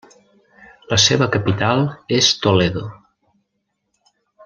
La seva capital és Toledo.